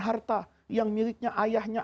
harta yang miliknya ayahnya